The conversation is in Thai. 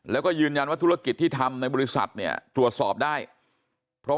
แล้วก็ยืนยันว่าธุรกิจที่ทำในบริษัทเนี่ยตรวจสอบได้เพราะ